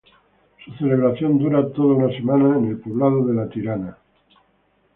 Su celebración dura toda una semana en el poblado de La Tirana.